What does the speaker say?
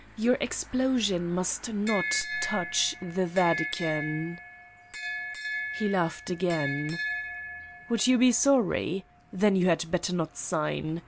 Your ex plosion must not touch the Vatican/' He laughed again :" Would you be sorry? Then you had better not sign.